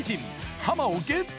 ハマをゲット！